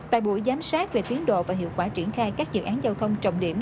tại buổi giám sát về tiến độ và hiệu quả triển khai các dự án giao thông trọng điểm